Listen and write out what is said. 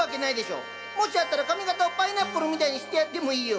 もしあったら髪形をパイナップルみたいにしてやってもいいよ！